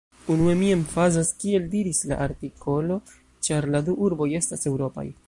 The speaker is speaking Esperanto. Unue, mi emfazas, kiel diris la artikolo, ĉar la du urboj estas eŭropaj.